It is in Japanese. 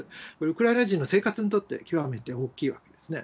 ウクライナ人の生活にとって、極めて大きいわけですね。